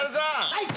はい！